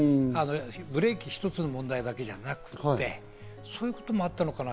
ブレーキ一つの問題だけじゃなくて、そういうこともあったのかな？